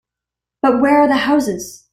But where are the houses?